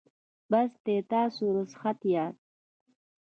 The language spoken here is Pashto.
بس دی تاسو رخصت یاست.